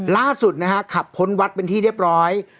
ล่าสุดนะฮะขับพ้นวัดเป็นที่เรียบร้อย